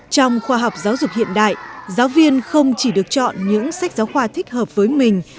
trong khoa học giáo dục hiện đại giáo viên không chỉ được chọn những sách giáo khoa thích hợp với mình